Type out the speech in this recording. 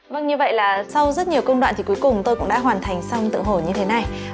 vâng như vậy là sau rất nhiều công đoạn thì cuối cùng tôi cũng đã hoàn thành xong tự hồ như thế này